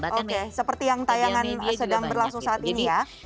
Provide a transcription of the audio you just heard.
oke seperti yang tayangan sedang berlangsung saat ini ya